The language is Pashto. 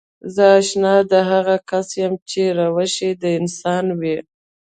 زه اشنا د هغه کس يم چې روش يې د انسان وي.